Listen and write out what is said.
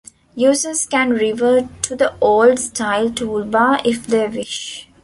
Users can revert to the old-style toolbar if they wish.